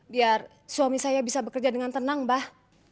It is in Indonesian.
biar suami saya bisa bekerja dengan tenang bah